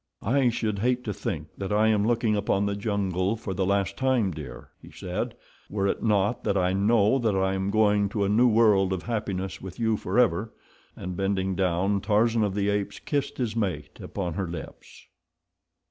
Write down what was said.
"I should hate to think that I am looking upon the jungle for the last time, dear," he said, "were it not that I know that I am going to a new world of happiness with you forever," and, bending down, Tarzan of the Apes kissed his mate upon her lips.